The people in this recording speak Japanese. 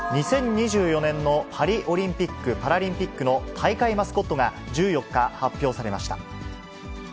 ２０２４年のパリオリンピック・パラリンピックの大会マスコットが、１４日、発表されました。